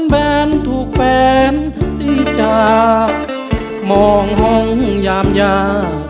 แบนทุกแฟนที่จากมองห่องยามยา